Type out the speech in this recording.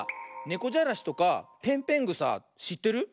ねこじゃらしとかぺんぺんぐさしってる？